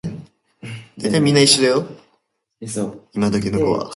古池や蛙飛び込む水の音